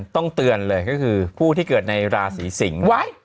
ต้องเตือนเลยก็คือผู้ที่เกิดในราศีสิงศ์